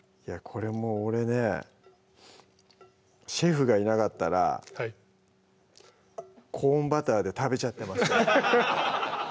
これもう俺ねシェフがいなかったらコーンバターで食べちゃってました